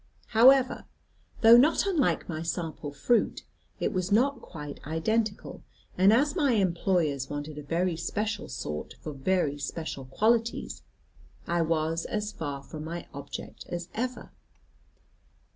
However, though not unlike my sample fruit, it was not quite identical, and as my employers wanted a very special sort for very special qualities, I was as far from my object as ever.